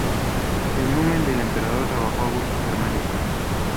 Al numen del emperador Trajano Augusto germánico.